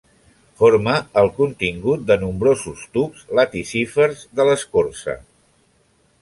Forma el contingut de nombrosos tubs laticífers de l'escorça.